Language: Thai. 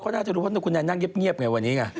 เขาน่าจะรู้ว่าคุณแนนนั่งเงียบไงวันนี้